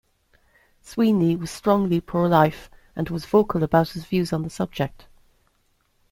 Sweeney was strongly pro-life, and was vocal about his views on the subject.